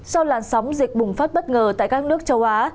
sau làn sóng dịch bùng phát bất ngờ tại các nước châu á